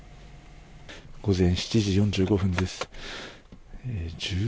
午前７時４５分です。